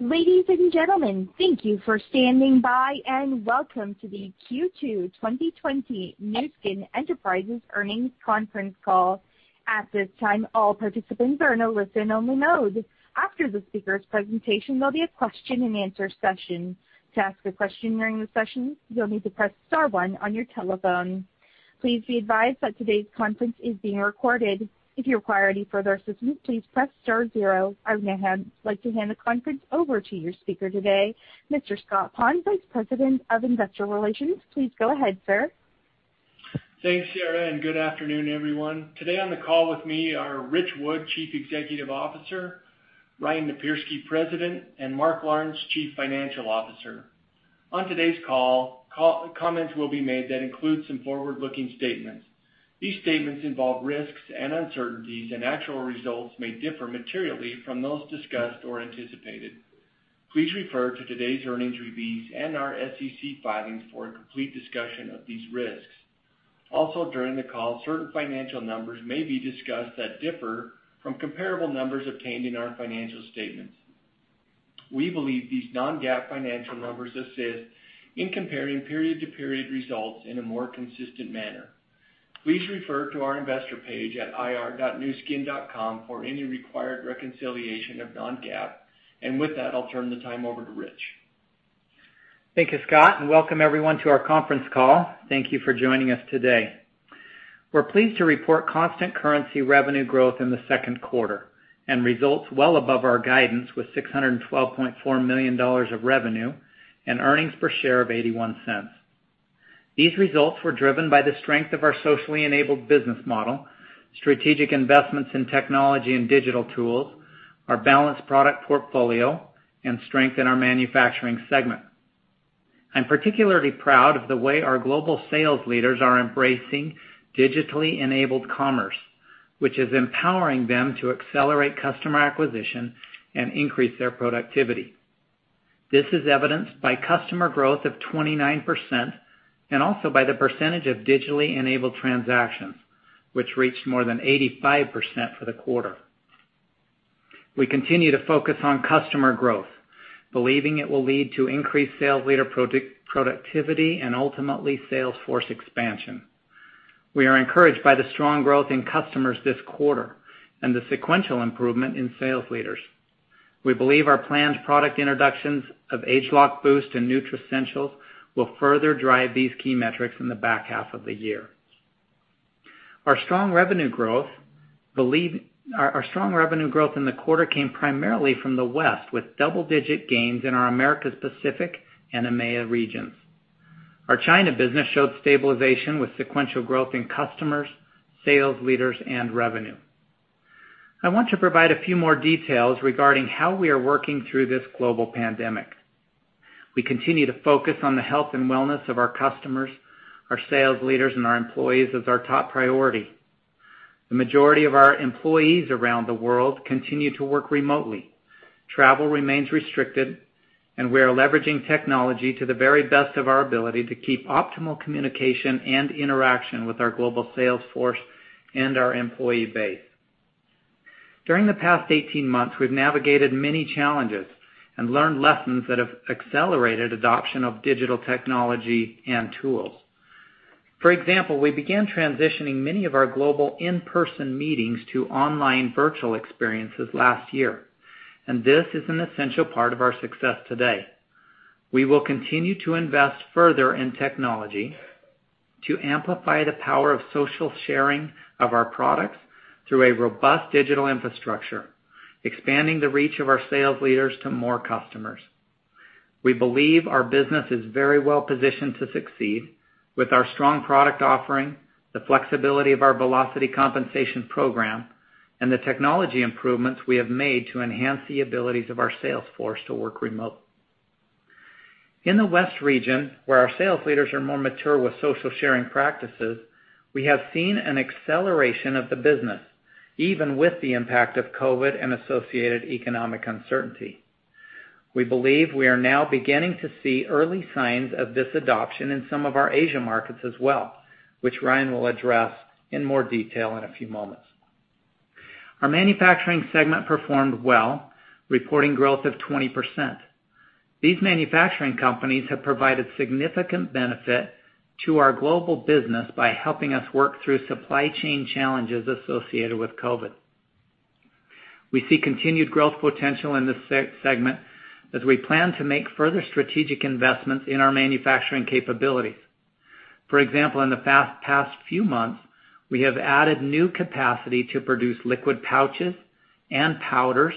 Ladies and gentlemen, thank you for standing by, and welcome to the Q2 2020 Nu Skin Enterprises earnings conference call. At this time, all participants are in a listen only mode. After the speaker's presentation, there will be a question and answer session. To ask a question during the session, you will need to press star one on your telephone. Please be advised that today's conference is being recorded. If you require any further assistance, please press star zero. I would now like to hand the conference over to your speaker today, Mr. Scott Pond, Vice President of Investor Relations. Please go ahead, sir. Thanks, Sarah. Good afternoon, everyone. Today on the call with me are Ritch Wood, Chief Executive Officer, Ryan Napierski, President, and Mark Lawrence, Chief Financial Officer. On today's call, comments will be made that include some forward-looking statements. These statements involve risks and uncertainties, and actual results may differ materially from those discussed or anticipated. Please refer to today's earnings release and our SEC filings for a complete discussion of these risks. Also, during the call, certain financial numbers may be discussed that differ from comparable numbers obtained in our financial statements. We believe these non-GAAP financial numbers assist in comparing period-to-period results in a more consistent manner. Please refer to our investor page at ir.nuskin.com for any required reconciliation of non-GAAP. With that, I'll turn the time over to Ritch. Thank you, Scott. Welcome everyone to our conference call. Thank you for joining us today. We're pleased to report constant currency revenue growth in the second quarter and results well above our guidance with $612.4 million of revenue and earnings per share of $0.81. These results were driven by the strength of our socially enabled business model, strategic investments in technology and digital tools, our balanced product portfolio, and strength in our manufacturing segment. I'm particularly proud of the way our global sales leaders are embracing digitally enabled commerce, which is empowering them to accelerate customer acquisition and increase their productivity. This is evidenced by customer growth of 29% and also by the percentage of digitally enabled transactions, which reached more than 85% for the quarter. We continue to focus on customer growth, believing it will lead to increased sales leader productivity and ultimately sales force expansion. We are encouraged by the strong growth in customers this quarter and the sequential improvement in sales leaders. We believe our planned product introductions of ageLOC Boost and Nutricentials will further drive these key metrics in the back half of the year. Our strong revenue growth in the quarter came primarily from the West, with double-digit gains in our Americas Pacific and EMEA regions. Our China business showed stabilization with sequential growth in customers, sales leaders, and revenue. I want to provide a few more details regarding how we are working through this global pandemic. We continue to focus on the health and wellness of our customers, our sales leaders, and our employees as our top priority. The majority of our employees around the world continue to work remotely. Travel remains restricted. We are leveraging technology to the very best of our ability to keep optimal communication and interaction with our global sales force and our employee base. During the past 18 months, we've navigated many challenges and learned lessons that have accelerated adoption of digital technology and tools. For example, we began transitioning many of our global in-person meetings to online virtual experiences last year. This is an essential part of our success today. We will continue to invest further in technology to amplify the power of social sharing of our products through a robust digital infrastructure, expanding the reach of our sales leaders to more customers. We believe our business is very well positioned to succeed with our strong product offering, the flexibility of our Velocity compensation program, and the technology improvements we have made to enhance the abilities of our sales force to work remotely. In the West region, where our sales leaders are more mature with social sharing practices, we have seen an acceleration of the business, even with the impact of COVID and associated economic uncertainty. We believe we are now beginning to see early signs of this adoption in some of our Asia markets as well, which Ryan will address in more detail in a few moments. Our manufacturing segment performed well, reporting growth of 20%. These manufacturing companies have provided significant benefit to our global business by helping us work through supply chain challenges associated with COVID. We see continued growth potential in this segment as we plan to make further strategic investments in our manufacturing capabilities. For example, in the past few months, we have added new capacity to produce liquid pouches and powders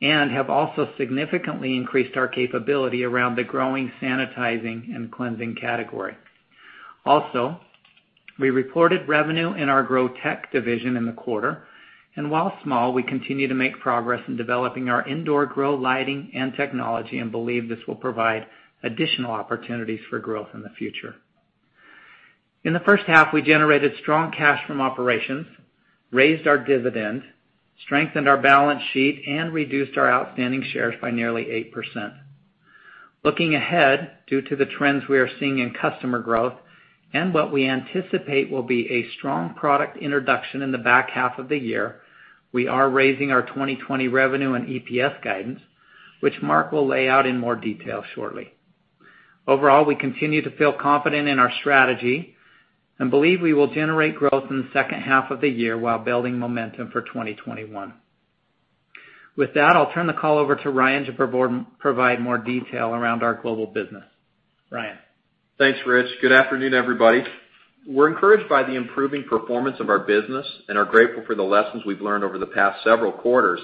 and have also significantly increased our capability around the growing sanitizing and cleansing category. Also, we reported revenue in our Grōv Technologies division in the quarter, and while small, we continue to make progress in developing our indoor grow lighting and technology and believe this will provide additional opportunities for growth in the future. In the first half, we generated strong cash from operations, raised our dividend, strengthened our balance sheet, and reduced our outstanding shares by nearly 8%. Looking ahead, due to the trends we are seeing in customer growth and what we anticipate will be a strong product introduction in the back half of the year, we are raising our 2020 revenue and EPS guidance, which Mark will lay out in more detail shortly. Overall, we continue to feel confident in our strategy and believe we will generate growth in the second half of the year while building momentum for 2021. With that, I'll turn the call over to Ryan to provide more detail around our global business. Ryan? Thanks, Ritch. Good afternoon, everybody. We're encouraged by the improving performance of our business and are grateful for the lessons we've learned over the past several quarters.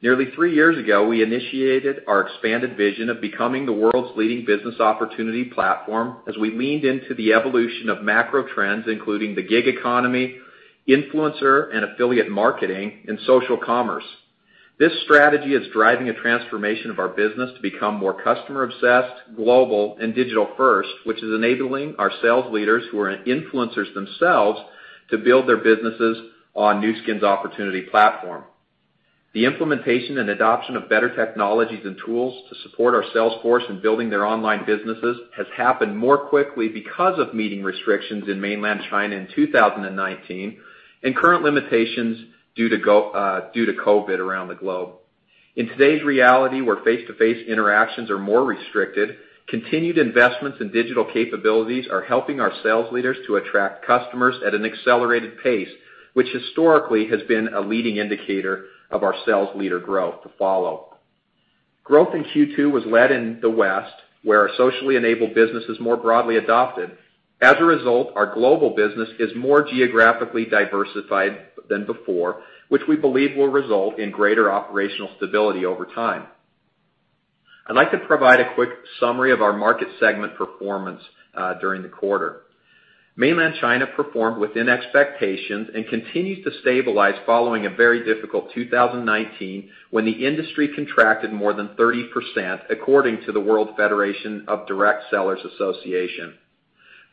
Nearly three years ago, we initiated our expanded vision of becoming the world's leading business opportunity platform as we leaned into the evolution of macro trends, including the gig economy, influencer and affiliate marketing, and social commerce. This strategy is driving a transformation of our business to become more customer obsessed, global, and digital first, which is enabling our sales leaders, who are influencers themselves, to build their businesses on Nu Skin's opportunity platform. The implementation and adoption of better technologies and tools to support our sales force in building their online businesses has happened more quickly because of meeting restrictions in mainland China in 2019 and current limitations due to COVID around the globe. In today's reality, where face-to-face interactions are more restricted, continued investments in digital capabilities are helping our sales leaders to attract customers at an accelerated pace, which historically has been a leading indicator of our sales leader growth to follow. Growth in Q2 was led in the West, where our socially enabled business is more broadly adopted. As a result, our global business is more geographically diversified than before, which we believe will result in greater operational stability over time. I'd like to provide a quick summary of our market segment performance during the quarter. Mainland China performed within expectations and continues to stabilize following a very difficult 2019, when the industry contracted more than 30%, according to the World Federation of Direct Selling Associations.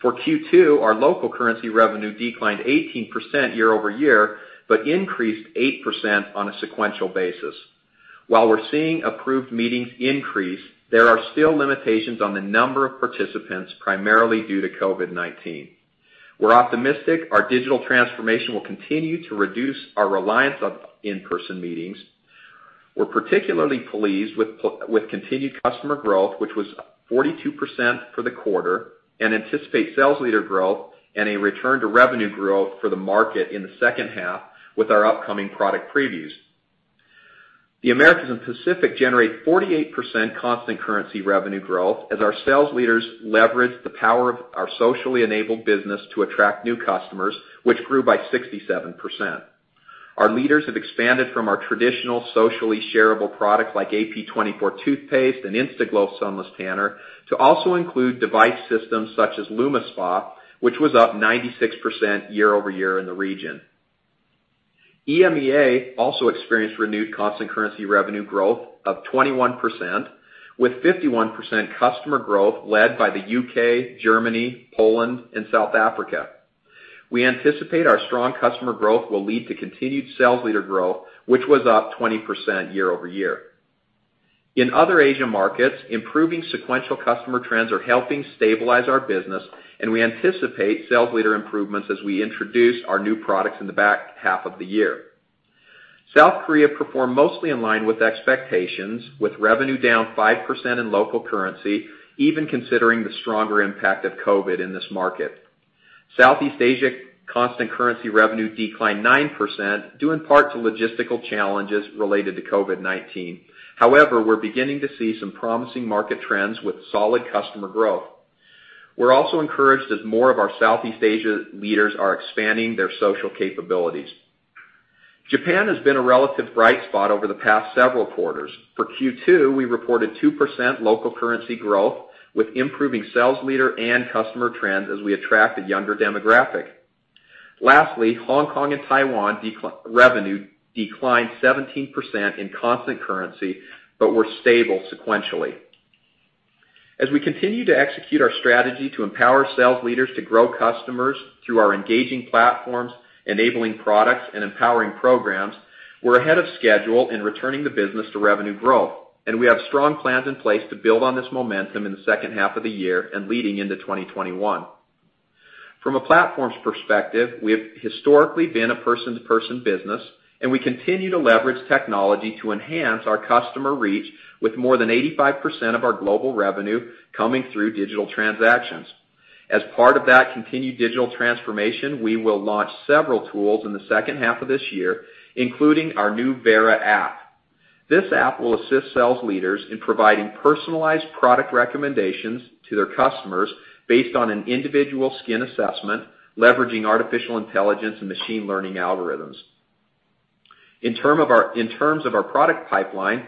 For Q2, our local currency revenue declined 18% year-over-year, but increased 8% on a sequential basis. While we're seeing approved meetings increase, there are still limitations on the number of participants, primarily due to COVID-19. We're optimistic our digital transformation will continue to reduce our reliance on in-person meetings. We're particularly pleased with continued customer growth, which was up 42% for the quarter, and anticipate sales leader growth and a return to revenue growth for the market in the second half with our upcoming product previews. The Americas and Pacific generate 48% constant currency revenue growth as our sales leaders leverage the power of our socially enabled business to attract new customers, which grew by 67%. Our leaders have expanded from our traditional socially shareable products like AP 24 toothpaste and Insta Glow sunless tanner to also include device systems such as LumiSpa, which was up 96% year-over-year in the region. EMEA also experienced renewed constant currency revenue growth of 21%, with 51% customer growth led by the U.K., Germany, Poland, and South Africa. We anticipate our strong customer growth will lead to continued sales leader growth, which was up 20% year-over-year. In other Asia markets, improving sequential customer trends are helping stabilize our business, and we anticipate sales leader improvements as we introduce our new products in the back half of the year. South Korea performed mostly in line with expectations, with revenue down 5% in local currency, even considering the stronger impact of COVID in this market. Southeast Asia constant currency revenue declined 9%, due in part to logistical challenges related to COVID-19. However, we're beginning to see some promising market trends with solid customer growth. We're also encouraged as more of our Southeast Asia leaders are expanding their social capabilities. Japan has been a relative bright spot over the past several quarters. For Q2, we reported 2% local currency growth, with improving sales leader and customer trends as we attract a younger demographic. Lastly, Hong Kong and Taiwan revenue declined 17% in constant currency, but were stable sequentially. As we continue to execute our strategy to empower sales leaders to grow customers through our engaging platforms, enabling products, and empowering programs, we're ahead of schedule in returning the business to revenue growth, and we have strong plans in place to build on this momentum in the second half of the year and leading into 2021. From a platforms perspective, we have historically been a person-to-person business, and we continue to leverage technology to enhance our customer reach with more than 85% of our global revenue coming through digital transactions. As part of that continued digital transformation, we will launch several tools in the second half of this year, including our new Vera app. This app will assist sales leaders in providing personalized product recommendations to their customers based on an individual skin assessment, leveraging artificial intelligence and machine learning algorithms. In terms of our product pipeline,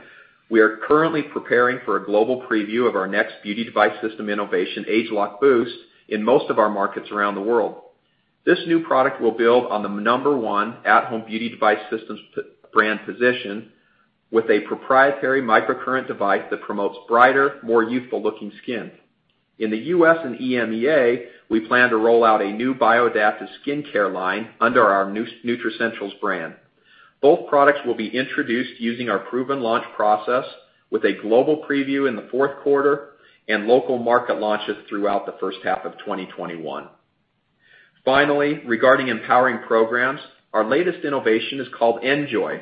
we are currently preparing for a global preview of our next beauty device system innovation, ageLOC Boost, in most of our markets around the world. This new product will build on the number one at-home Beauty Device Systems brand position with a proprietary microcurrent device that promotes brighter, more youthful-looking skin. In the U.S. and EMEA, we plan to roll out a new bioadaptive skincare line under our Nutricentials brand. Both products will be introduced using our proven launch process with a global preview in the fourth quarter and local market launches throughout the first half of 2021. Regarding empowering programs, our latest innovation is called enJoy,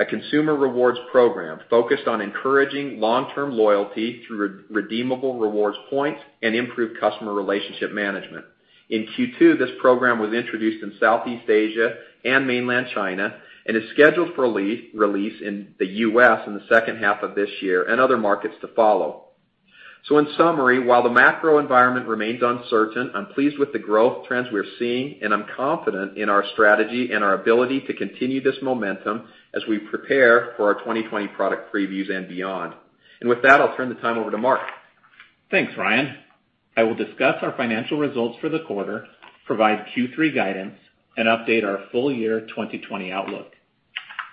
a consumer rewards program focused on encouraging long-term loyalty through redeemable rewards points and improved customer relationship management. In Q2, this program was introduced in Southeast Asia and Mainland China and is scheduled for release in the U.S. in the second half of this year, and other markets to follow. In summary, while the macro environment remains uncertain, I'm pleased with the growth trends we are seeing, and I'm confident in our strategy and our ability to continue this momentum as we prepare for our 2020 product previews and beyond. With that, I'll turn the time over to Mark. Thanks, Ryan. I will discuss our financial results for the quarter, provide Q3 guidance, and update our full year 2020 outlook.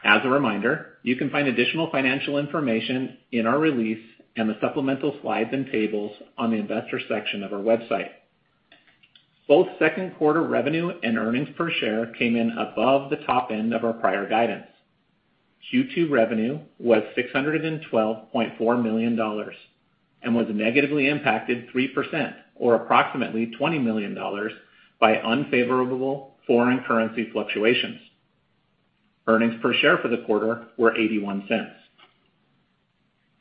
As a reminder, you can find additional financial information in our release and the supplemental slides and tables on the investor section of our website. Both second quarter revenue and earnings per share came in above the top end of our prior guidance. Q2 revenue was $612.4 million and was negatively impacted 3%, or approximately $20 million, by unfavorable foreign currency fluctuations. Earnings per share for the quarter were $0.81.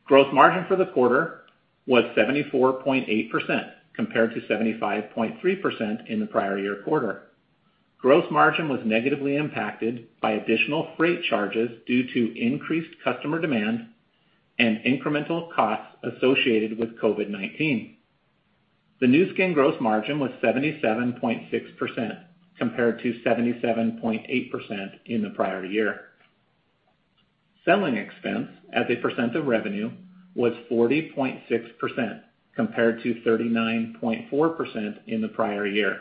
Gross margin for the quarter was 74.8% compared to 75.3% in the prior year quarter. Gross margin was negatively impacted by additional freight charges due to increased customer demand and incremental costs associated with COVID-19. The Nu Skin gross margin was 77.6% compared to 77.8% in the prior year. Selling expense as a percent of revenue was 40.6% compared to 39.4% in the prior year.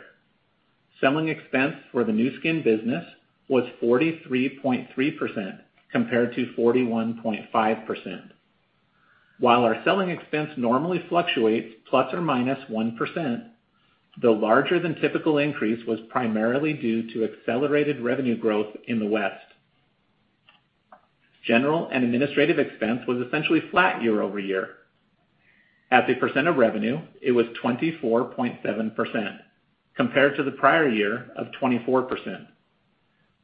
Selling expense for the Nu Skin business was 43.3% compared to 41.5%. While our selling expense normally fluctuates plus or minus 1%, the larger than typical increase was primarily due to accelerated revenue growth in the West. General and administrative expense was essentially flat year-over-year. As a percent of revenue, it was 24.7% compared to the prior year of 24%.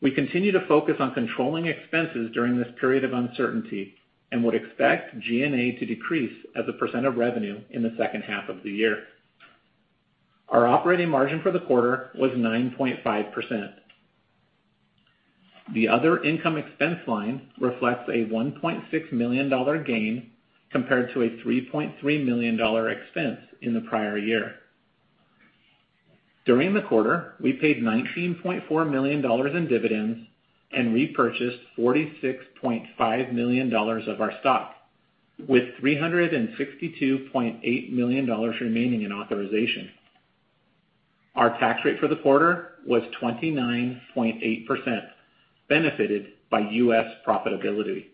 We continue to focus on controlling expenses during this period of uncertainty and would expect G&A to decrease as a percent of revenue in the second half of the year. Our operating margin for the quarter was 9.5%. The other income expense line reflects a $1.6 million gain compared to a $3.3 million expense in the prior year. During the quarter, we paid $19.4 million in dividends and repurchased $46.5 million of our stock, with $362.8 million remaining in authorization. Our tax rate for the quarter was 29.8%, benefited by U.S. profitability.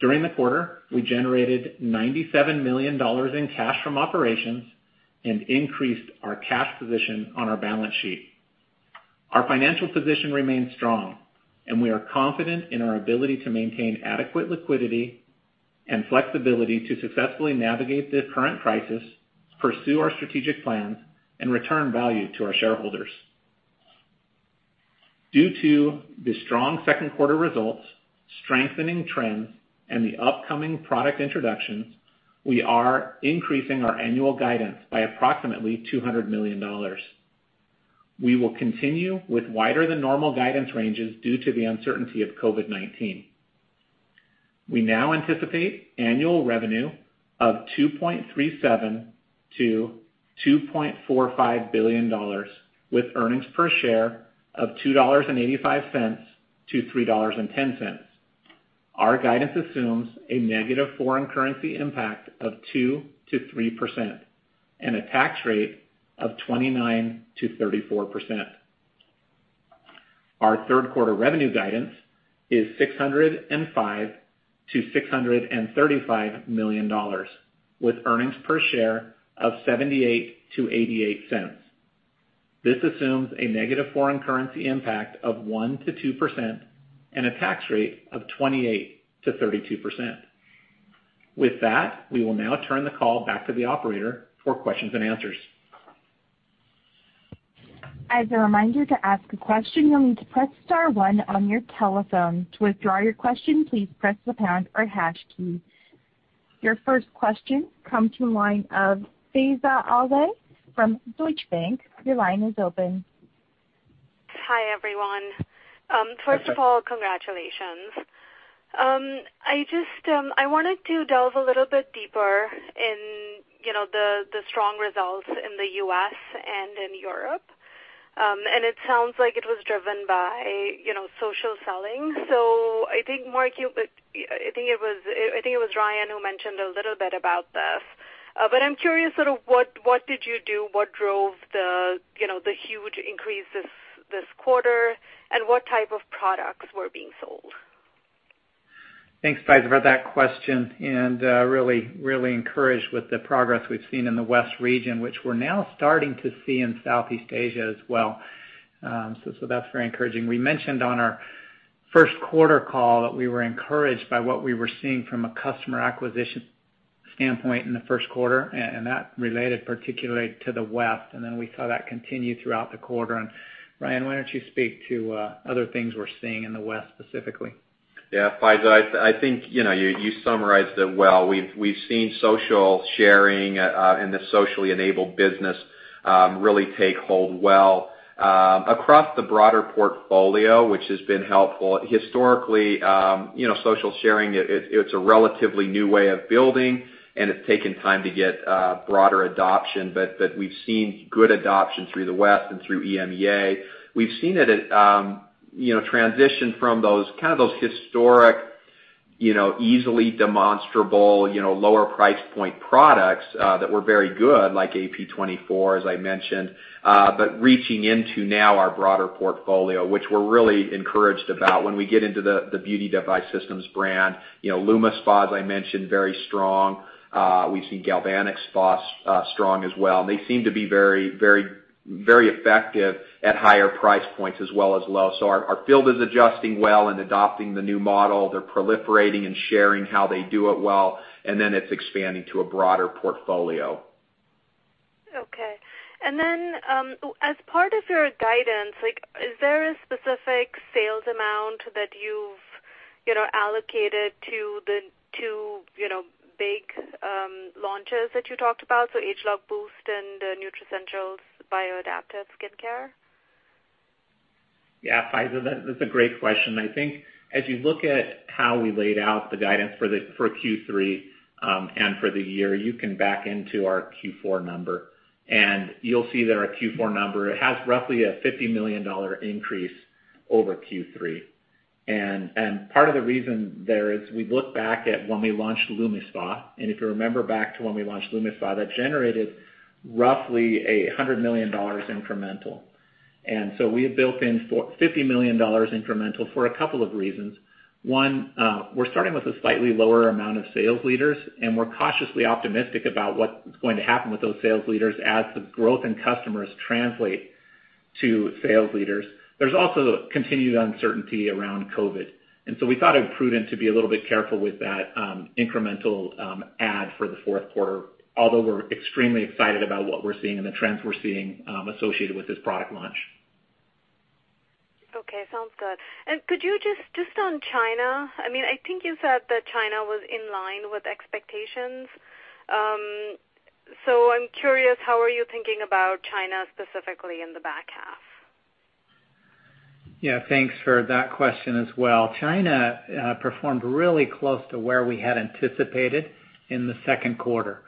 During the quarter, we generated $97 million in cash from operations and increased our cash position on our balance sheet. Our financial position remains strong, and we are confident in our ability to maintain adequate liquidity and flexibility to successfully navigate the current crisis, pursue our strategic plans, and return value to our shareholders. Due to the strong second quarter results, strengthening trends, and the upcoming product introductions, we are increasing our annual guidance by approximately $200 million. We will continue with wider than normal guidance ranges due to the uncertainty of COVID-19. We now anticipate annual revenue of $2.37 billion-$2.45 billion with earnings per share of $2.85-$3.10. Our guidance assumes a negative foreign currency impact of 2%-3% and a tax rate of 29%-34%. Our third quarter revenue guidance is $605 million-$635 million with earnings per share of $0.78-$0.88. This assumes a negative foreign currency impact of 1%-2% and a tax rate of 28%-32%. With that, we will now turn the call back to the operator for questions and answers. As a reminder, to ask a question, you will need to press star one on your telephone. To withdraw your question, please press the pound or hash key. Your first question comes from the line of Faiza Alwy from Deutsche Bank. Your line is open. Hi, everyone. First of all, congratulations. I wanted to delve a little bit deeper in the strong results in the U.S. and in Europe. It sounds like it was driven by social selling. I think, Mark, I think it was Ryan who mentioned a little bit about this, but I'm curious, what did you do? What drove the huge increase this quarter, and what type of products were being sold? Thanks, Faiza, for that question, really encouraged with the progress we've seen in the West region, which we're now starting to see in Southeast Asia as well. That's very encouraging. We mentioned on our first quarter call that we were encouraged by what we were seeing from a customer acquisition standpoint in the first quarter, that related particularly to the West. We saw that continue throughout the quarter. Ryan, why don't you speak to other things we're seeing in the West specifically? Yeah, Faiza, I think you summarized it well. We've seen social sharing and the socially enabled business really take hold well across the broader portfolio, which has been helpful. Historically, social sharing, it's a relatively new way of building, and it's taken time to get broader adoption, but we've seen good adoption through the West and through EMEA. We've seen it transition from those historic, easily demonstrable, lower price point products that were very good, like AP 24, as I mentioned. Reaching into now our broader portfolio, which we're really encouraged about when we get into the Beauty Device Systems brand. LumiSpas, I mentioned, very strong. We've seen Galvanic Spas strong as well, and they seem to be very effective at higher price points as well as low. Our field is adjusting well and adopting the new model. They're proliferating and sharing how they do it well, and then it's expanding to a broader portfolio. Okay. As part of your guidance, is there a specific sales amount that you've allocated to the two big launches that you talked about, ageLOC Boost and Nutricentials Bioadaptive Skin Care? Yeah, Faiza, that's a great question. I think as you look at how we laid out the guidance for Q3, for the year, you can back into our Q4 number, you'll see that our Q4 number has roughly a $50 million increase over Q3. Part of the reason there is we look back at when we launched LumiSpa, if you remember back to when we launched LumiSpa, that generated roughly $100 million incremental. So we have built in $50 million incremental for a couple of reasons. One, we're starting with a slightly lower amount of sales leaders, we're cautiously optimistic about what's going to happen with those sales leaders as the growth in customers translate to sales leaders. There's also continued uncertainty around COVID, and so we thought it prudent to be a little bit careful with that incremental add for the fourth quarter, although we're extremely excited about what we're seeing and the trends we're seeing associated with this product launch. Okay, sounds good. Could you just on China, I think you said that China was in line with expectations. I'm curious, how are you thinking about China specifically in the back half? Yeah, thanks for that question as well. China performed really close to where we had anticipated in the second quarter.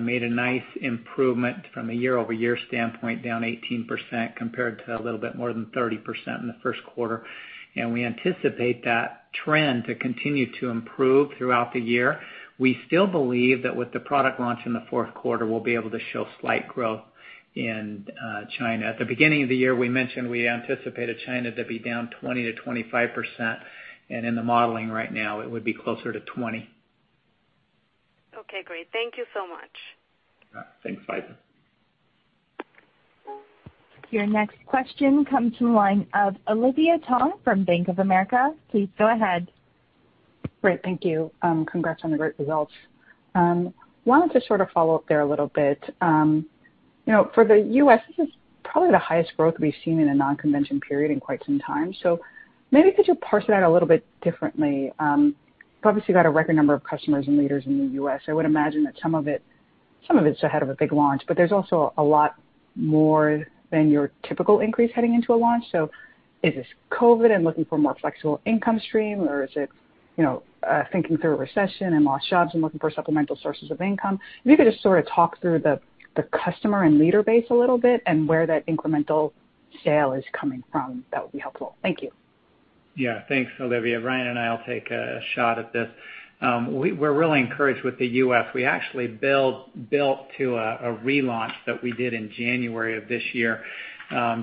Made a nice improvement from a year-over-year standpoint, down 18% compared to a little bit more than 30% in the first quarter. We anticipate that trend to continue to improve throughout the year. We still believe that with the product launch in the fourth quarter, we'll be able to show slight growth in China. At the beginning of the year, we mentioned we anticipated China to be down 20%-25%, and in the modeling right now, it would be closer to 20%. Okay, great. Thank you so much. Yeah. Thanks, Faiza. Your next question comes from the line of Olivia Tong from Bank of America. Please go ahead. Great. Thank you. Congrats on the great results. Wanted to sort of follow up there a little bit. For the U.S., this is probably the highest growth we've seen in a non-convention period in quite some time. Maybe could you parse it out a little bit differently? You've obviously got a record number of customers and leaders in the U.S. I would imagine that some of it's ahead of a big launch, but there's also a lot more than your typical increase heading into a launch. Is this COVID and looking for more flexible income stream, or is it thinking through a recession and lost jobs and looking for supplemental sources of income? If you could just sort of talk through the customer and leader base a little bit and where that incremental sale is coming from, that would be helpful. Thank you. Yeah. Thanks, Olivia. Ryan and I will take a shot at this. We're really encouraged with the U.S. We actually built to a relaunch that we did in January of this year,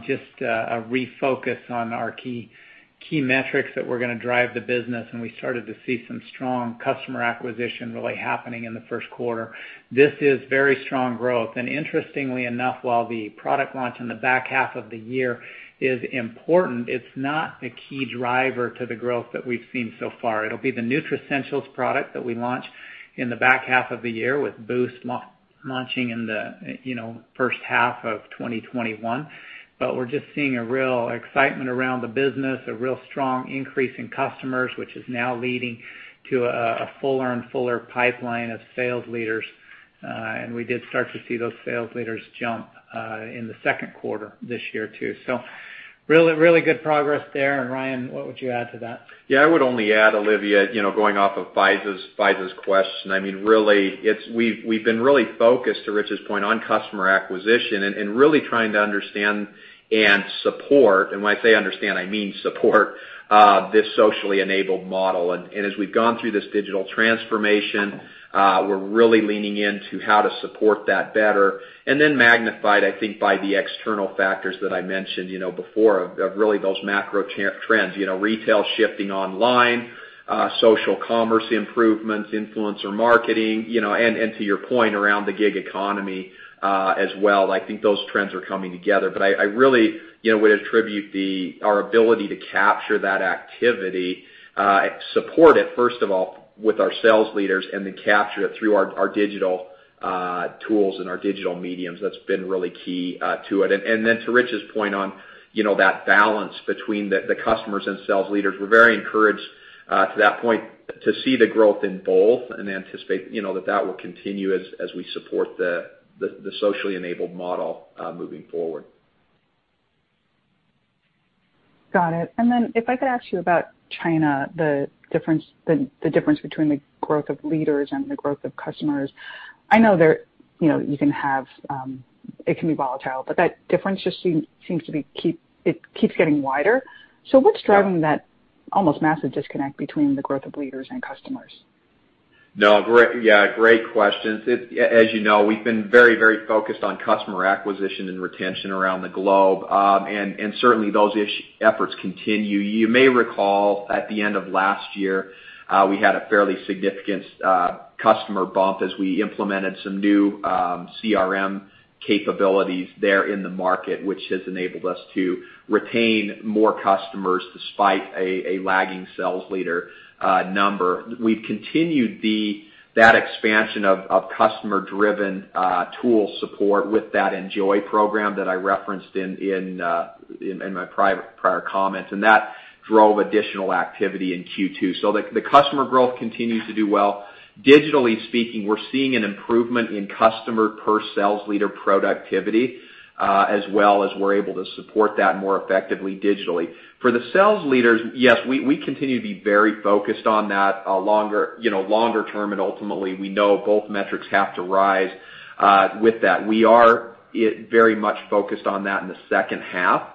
just a refocus on our key metrics that were going to drive the business, and we started to see some strong customer acquisition really happening in the first quarter. This is very strong growth. Interestingly enough, while the product launch in the back half of the year is important, it's not the key driver to the growth that we've seen so far. It'll be the Nutricentials product that we launch in the back half of the year with Boost launching in the first half of 2021. We're just seeing a real excitement around the business, a real strong increase in customers, which is now leading to a fuller and fuller pipeline of sales leaders. We did start to see those sales leaders jump in the second quarter this year, too. Really good progress there. Ryan, what would you add to that? Yeah, I would only add, Olivia, going off of Faiza's question, we've been really focused, to Ritch's point, on customer acquisition and really trying to understand and support, and when I say understand, I mean support this socially enabled model. As we've gone through this digital transformation, we're really leaning into how to support that better. Then magnified, I think, by the external factors that I mentioned before of really those macro trends. Retail shifting online. Social commerce improvements, influencer marketing, and to your point around the gig economy as well, I think those trends are coming together. I really would attribute our ability to capture that activity, support it, first of all, with our sales leaders and then capture it through our digital tools and our digital mediums. That's been really key to it. To Ritch's point on that balance between the customers and sales leaders, we're very encouraged to that point to see the growth in both and anticipate that that will continue as we support the socially enabled model moving forward. Got it. If I could ask you about China, the difference between the growth of leaders and the growth of customers. I know it can be volatile, that difference just seems to keeps getting wider. What's driving that almost massive disconnect between the growth of leaders and customers? Yeah, great question. As you know, we've been very, very focused on customer acquisition and retention around the globe. Certainly those efforts continue. You may recall at the end of last year, we had a fairly significant customer bump as we implemented some new CRM capabilities there in the market, which has enabled us to retain more customers despite a lagging sales leader number. We've continued that expansion of customer-driven tool support with that enJoy program that I referenced in my prior comments. That drove additional activity in Q2. The customer growth continues to do well. Digitally speaking, we're seeing an improvement in customer per sales leader productivity, as well as we're able to support that more effectively digitally. For the sales leaders, yes, we continue to be very focused on that longer term. Ultimately, we know both metrics have to rise with that. We are very much focused on that in the second half,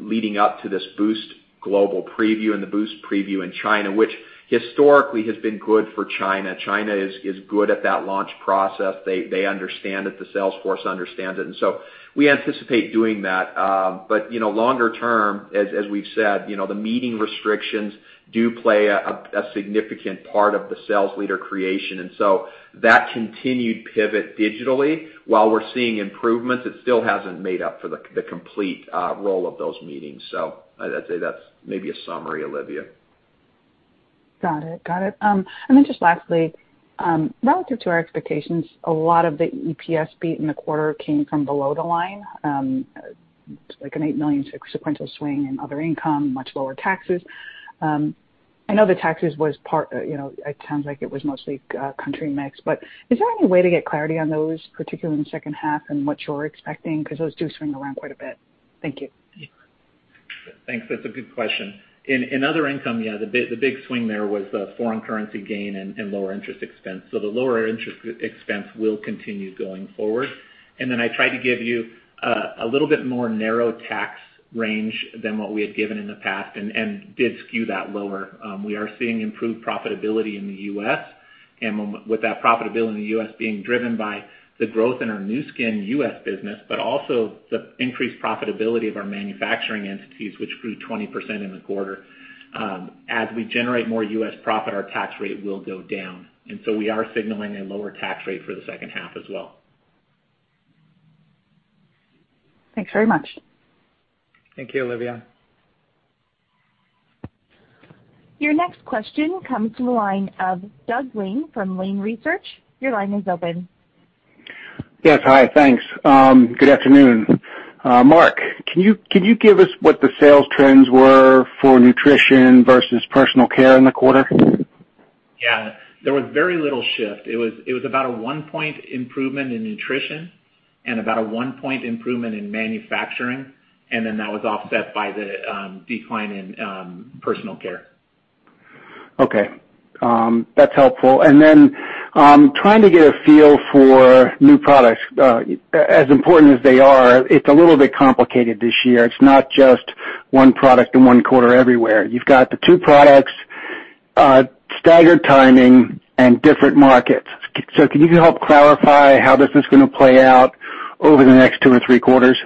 leading up to this Boost global preview and the Boost preview in China, which historically has been good for China. China is good at that launch process. They understand it, the sales force understands it, we anticipate doing that. Longer term, as we've said, the meeting restrictions do play a significant part of the sales leader creation. That continued pivot digitally, while we're seeing improvements, it still hasn't made up for the complete role of those meetings. I'd say that's maybe a summary, Olivia. Got it. Just lastly, relative to our expectations, a lot of the EPS beat in the quarter came from below the line. It is like an $8 million sequential swing in other income, much lower taxes. I know the taxes, it sounds like it was mostly country mix. Is there any way to get clarity on those, particularly in the second half and what you are expecting? Those do swing around quite a bit. Thank you. Thanks. That's a good question. In other income, yeah, the big swing there was the foreign currency gain and lower interest expense. The lower interest expense will continue going forward. I tried to give you a little bit more narrow tax range than what we had given in the past and did skew that lower. We are seeing improved profitability in the U.S., and with that profitability in the U.S. being driven by the growth in our Nu Skin U.S. business, but also the increased profitability of our manufacturing entities, which grew 20% in the quarter. As we generate more U.S. profit, our tax rate will go down. We are signaling a lower tax rate for the second half as well. Thanks very much. Thank you, Olivia. Your next question comes from the line of Doug Lane from Lane Research. Your line is open. Yes, hi. Thanks. Good afternoon. Mark, can you give us what the sales trends were for nutrition versus personal care in the quarter? Yeah, there was very little shift. It was about a one-point improvement in nutrition and about a one-point improvement in manufacturing, and then that was offset by the decline in personal care. Okay. That's helpful. Trying to get a feel for new products. As important as they are, it's a little bit complicated this year. It's not just one product in one quarter everywhere. You've got the two products, staggered timing, and different markets. Can you help clarify how this is going to play out over the next two or three quarters?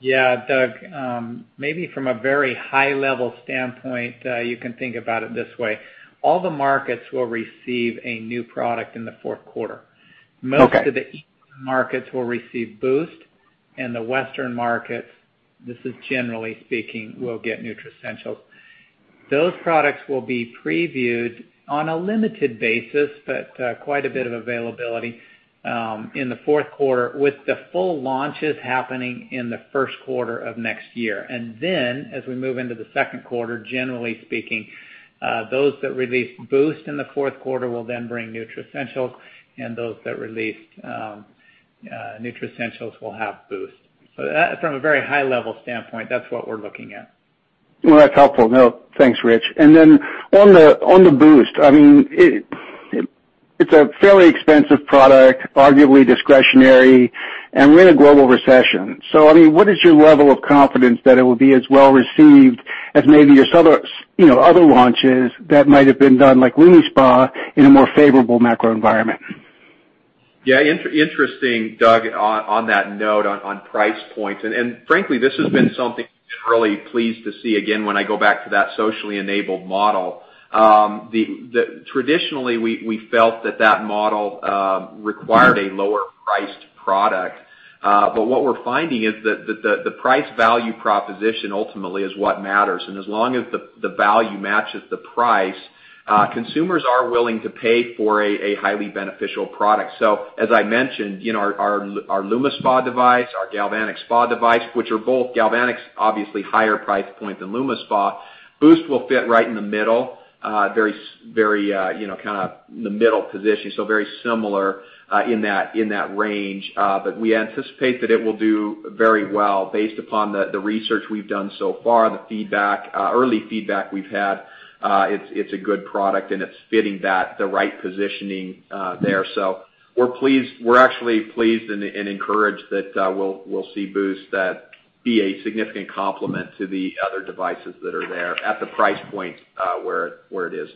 Yeah, Doug, maybe from a very high-level standpoint, you can think about it this way. All the markets will receive a new product in the fourth quarter. Okay. Most of the Eastern markets will receive Boost, and the Western markets, this is generally speaking, will get Nutricentials. Those products will be previewed on a limited basis, but quite a bit of availability in the fourth quarter with the full launches happening in the first quarter of next year. As we move into the second quarter, generally speaking, those that released Boost in the fourth quarter will then bring Nutricentials and those that released Nutricentials will have Boost. From a very high-level standpoint, that's what we're looking at. Well, that's helpful. Thanks, Ritch. On the Boost, it's a fairly expensive product, arguably discretionary, and we're in a global recession. What is your level of confidence that it will be as well received as maybe your other launches that might have been done, like LumiSpa, in a more favorable macro environment? Yeah, interesting, Doug, on that note on price points. Frankly, this has been something I'm really pleased to see again when I go back to that socially enabled model. Traditionally, we felt that that model required a lower priced product. What we're finding is that the price value proposition ultimately is what matters. As long as the value matches the price, consumers are willing to pay for a highly beneficial product. As I mentioned, our LumiSpa device, our Galvanic Spa device, which are both Galvanic's obviously higher price point than LumiSpa, Boost will fit right in the middle, very kind of in the middle position, so very similar in that range. We anticipate that it will do very well based upon the research we've done so far, the early feedback we've had. It's a good product, and it's fitting the right positioning there. We're actually pleased and encouraged that we'll see Boost be a significant complement to the other devices that are there at the price point where it is.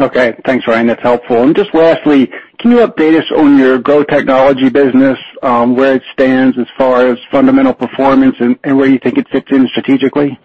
Okay. Thanks, Ryan. That's helpful. Just lastly, can you update us on your Grōv Technologies business, where it stands as far as fundamental performance and where you think it fits in strategically?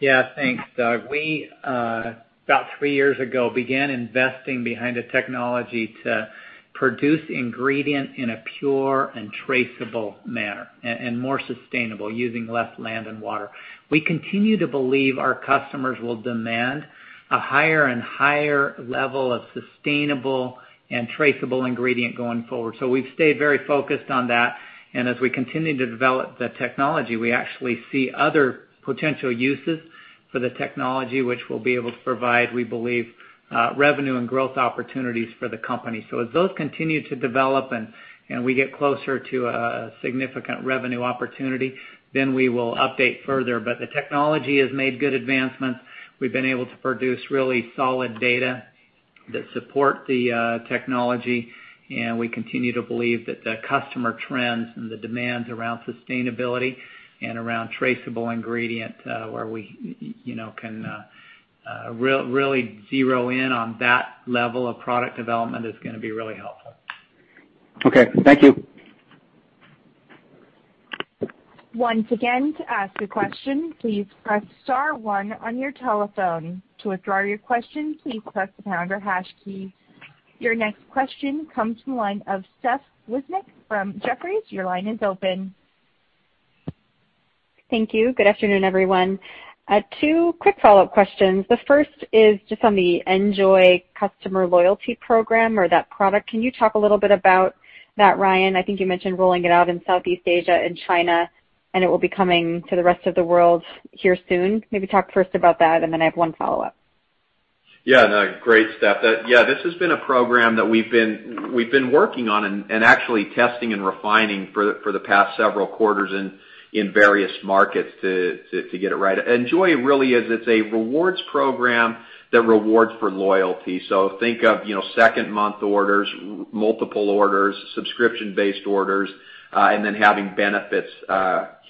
Yeah. Thanks, Doug. We, about three years ago, began investing behind a technology to produce ingredient in a pure and traceable manner and more sustainable using less land and water. We continue to believe our customers will demand a higher and higher level of sustainable and traceable ingredient going forward. We've stayed very focused on that. As we continue to develop the technology, we actually see other potential uses for the technology which we'll be able to provide, we believe, revenue and growth opportunities for the company. As those continue to develop and we get closer to a significant revenue opportunity, we will update further. The technology has made good advancements. We've been able to produce really solid data that support the technology, and we continue to believe that the customer trends and the demands around sustainability and around traceable ingredient, where we can really zero in on that level of product development is going to be really helpful. Okay. Thank you. Once again, to ask a question, please press star one on your telephone. To withdraw your question, please press the pound or hash key. Your next question comes from the line of Steph Wissink from Jefferies. Your line is open. Thank you. Good afternoon, everyone. Two quick follow-up questions. The first is just on the enJoy customer loyalty program or that product. Can you talk a little bit about that, Ryan? I think you mentioned rolling it out in Southeast Asia and China, and it will be coming to the rest of the world here soon. Maybe talk first about that, and then I have one follow-up. No, great, Steph. This has been a program that we've been working on and actually testing and refining for the past several quarters and in various markets to get it right. enJoy really is a rewards program that rewards for loyalty. Think of second-month orders, multiple orders, subscription-based orders, and then having benefits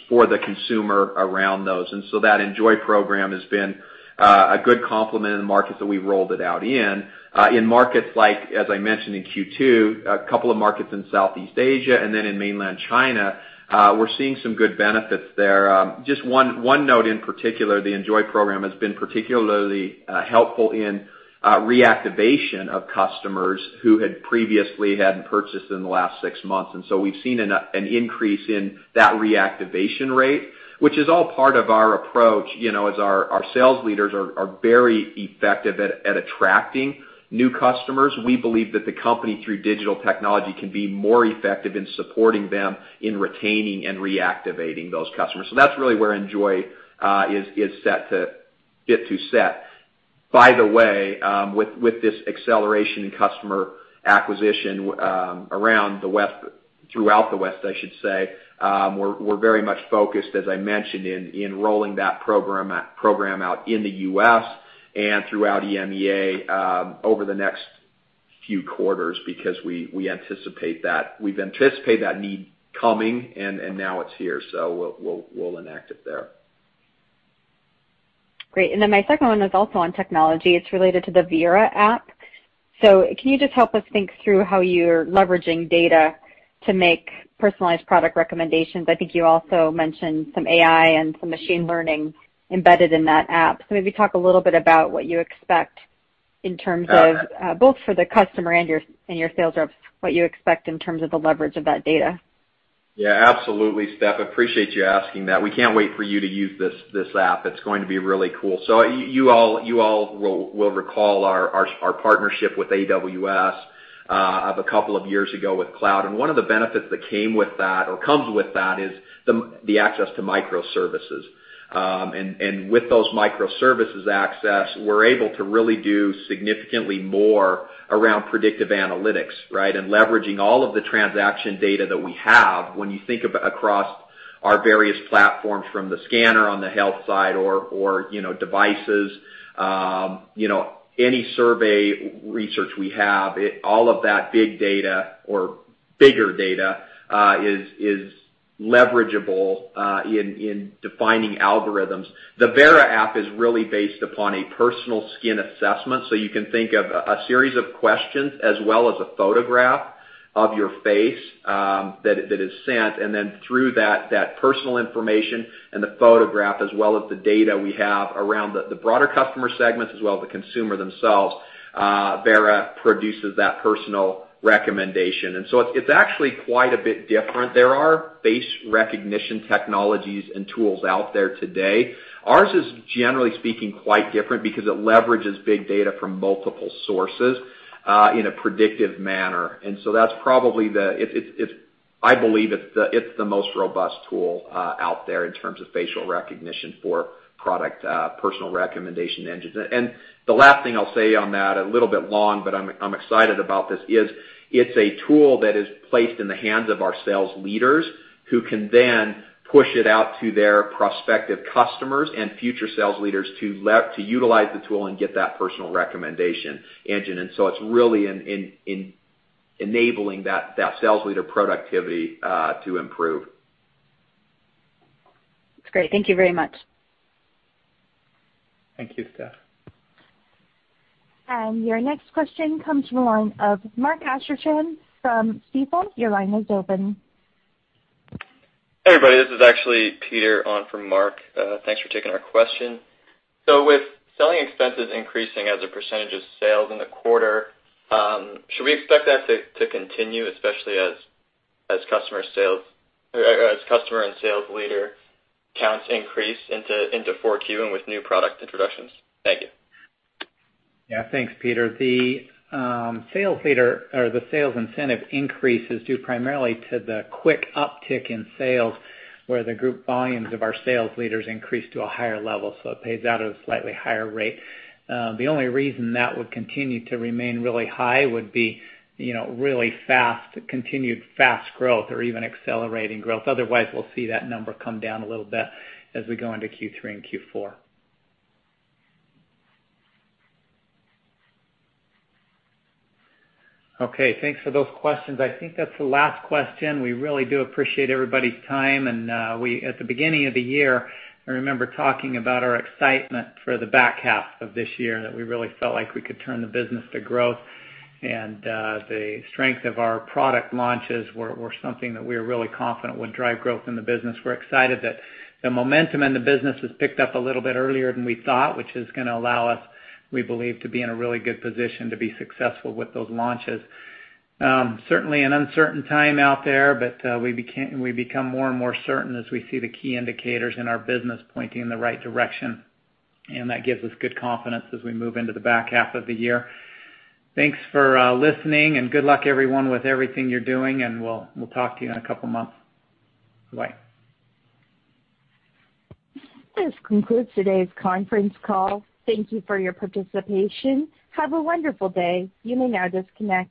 for the consumer around those. That enJoy program has been a good complement in the markets that we've rolled it out in. In markets like, as I mentioned in Q2, a couple of markets in Southeast Asia and then in mainland China, we're seeing some good benefits there. Just one note in particular, the enJoy program has been particularly helpful in reactivation of customers who had previously hadn't purchased in the last six months. We've seen an increase in that reactivation rate, which is all part of our approach as our sales leaders are very effective at attracting new customers. We believe that the company, through digital technology, can be more effective in supporting them in retaining and reactivating those customers. That's really where enJoy is set to get to set. By the way, with this acceleration in customer acquisition around the West, throughout the West, I should say, we're very much focused, as I mentioned, in rolling that program out in the U.S. and throughout EMEA over the next few quarters because we've anticipated that need coming, and now it's here. We'll enact it there. Great. My second one is also on technology. It's related to the Vera app. Can you just help us think through how you're leveraging data to make personalized product recommendations? I think you also mentioned some AI and some machine learning embedded in that app. Maybe talk a little bit about what you expect in terms of both for the customer and your sales reps, what you expect in terms of the leverage of that data. Yeah, absolutely, Steph. Appreciate you asking that. We can't wait for you to use this app. It's going to be really cool. You all will recall our partnership with AWS of a couple of years ago with Cloud. One of the benefits that came with that or comes with that is the access to microservices. With those microservices access, we're able to really do significantly more around predictive analytics, right? Leveraging all of the transaction data that we have when you think across our various platforms from the scanner on the health side or devices, any survey research we have, all of that big data or bigger data is leverageable in defining algorithms. The Vera app is really based upon a personal skin assessment, so you can think of a series of questions as well as a photograph of your face that is sent, and then through that personal information and the photograph, as well as the data we have around the broader customer segments as well as the consumer themselves, Vera produces that personal recommendation. It's actually quite a bit different. There are face recognition technologies and tools out there today. Ours is, generally speaking, quite different because it leverages big data from multiple sources in a predictive manner. I believe it's the most robust tool out there in terms of facial recognition for product personal recommendation engines. The last thing I'll say on that, a little bit long, but I'm excited about this, is it's a tool that is placed in the hands of our sales leaders who can then push it out to their prospective customers and future sales leaders to utilize the tool and get that personal recommendation engine. It's really enabling that sales leader productivity to improve. That's great. Thank you very much. Thank you, Steph. Your next question comes from the line of Mark Astrachan from Stifel. Your line is open. Hey, everybody. This is actually Peter on from Mark. Thanks for taking our question. With selling expenses increasing as a percentage of sales in the quarter, should we expect that to continue, especially as customer and sales leader counts increase into 4Q and with new product introductions? Thank you. Yeah, thanks, Peter. The sales incentive increase is due primarily to the quick uptick in sales where the group volumes of our sales leaders increased to a higher level. It pays out at a slightly higher rate. The only reason that would continue to remain really high would be really continued fast growth or even accelerating growth. Otherwise, we'll see that number come down a little bit as we go into Q3 and Q4. Okay. Thanks for those questions. I think that's the last question. We really do appreciate everybody's time. At the beginning of the year, I remember talking about our excitement for the back half of this year. We really felt like we could turn the business to growth. The strength of our product launches were something that we were really confident would drive growth in the business. We're excited that the momentum in the business has picked up a little bit earlier than we thought, which is going to allow us, we believe, to be in a really good position to be successful with those launches. Certainly an uncertain time out there, but we become more and more certain as we see the key indicators in our business pointing in the right direction, and that gives us good confidence as we move into the back half of the year. Thanks for listening, and good luck everyone with everything you're doing, and we'll talk to you in a couple of months. Bye. This concludes today's conference call. Thank you for your participation. Have a wonderful day. You may now disconnect.